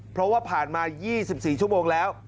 เพราะว่าผ่านมา๒๔ชั่วโมงแล้ว